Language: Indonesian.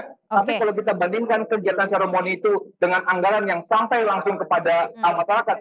tapi kalau kita bandingkan kegiatan seremoni itu dengan anggaran yang sampai langsung kepada masyarakat